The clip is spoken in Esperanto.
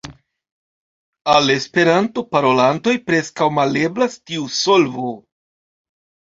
Al Esperanto-parolantoj preskaŭ maleblas tiu solvo.